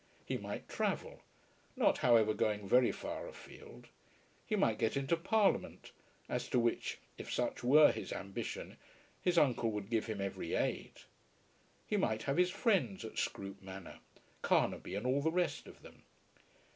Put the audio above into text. He might travel, not, however, going very far afield. He might get into Parliament; as to which, if such were his ambition, his uncle would give him every aid. He might have his friends at Scroope Manor, Carnaby and all the rest of them.